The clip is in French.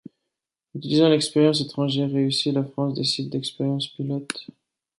Utilisant l'expérience étrangère réussie, la France décide d'expériences-pilotes.